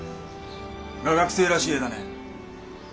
画学生らしい絵だね。